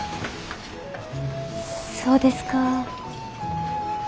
そうですか。